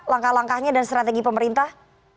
langkah langkahnya dan strategi pemerintah